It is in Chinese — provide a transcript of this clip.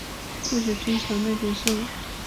不久金朝灭北宋。